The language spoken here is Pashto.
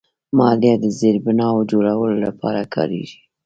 مالیه د زیربناوو جوړولو لپاره کارېږي.